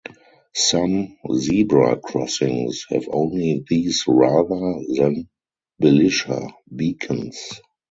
Some zebra crossings have only these rather than Belisha beacons.